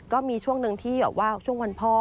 ก็มีช่วงหนึ่งที่ช่วงวันพ่อ